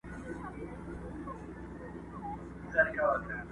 پۀ ماسومتوب كې بۀ چي خپلې مور هغه وهله،